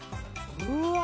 うわ！